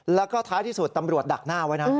แล้วก็ท้ายที่สุดตำรวจดักหน้าไว้นะ